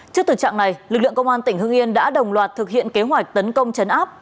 trước thực trạng này lực lượng công an tỉnh hưng yên đã đồng loạt thực hiện kế hoạch tấn công chấn áp